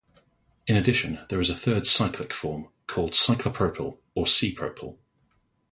In addition, there is a third, cyclic, form called cyclopropyl, or "c"-propyl.